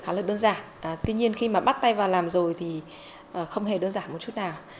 cuối đầu thì chúng tôi tưởng tượng khá là đơn giản tuy nhiên khi mà bắt tay vào làm rồi thì không hề đơn giản một chút nào